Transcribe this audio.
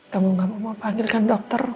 kamu gak mau mau panggilkan dokter